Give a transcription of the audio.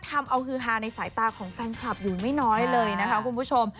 ทำเอาฮือฮาในสายตาของแฟนคลับอยู่ไม่น้อยเลยนะคะคุณผู้ชม